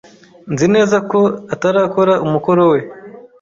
Nzi neza ko atarakora umukoro we.